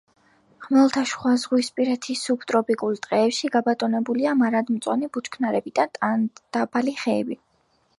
ხმელთაშუაზღვისპირეთის სუბტროპიკულ ტყეებში გაბატონებულია მარადმწვანე ბუჩქნარები და ტანდაბალი ხეები.